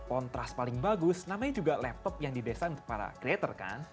kontras paling bagus namanya juga laptop yang didesain untuk para creator kan